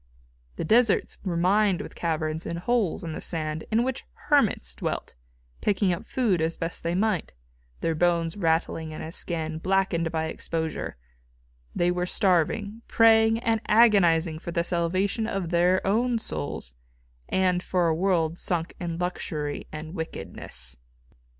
The deserts were mined with caverns and holes in the sand in which hermits dwelt, picking up food as best they might, their bones rattling in a skin blackened by exposure they were starving, praying and agonising for the salvation of their own souls and for a world sunk in luxury and wickedness.